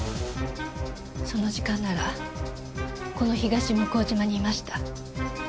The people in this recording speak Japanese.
その時間ならこの東向島にいました。